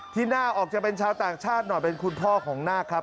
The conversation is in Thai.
หน้าออกจะเป็นชาวต่างชาติหน่อยเป็นคุณพ่อของนาคครับ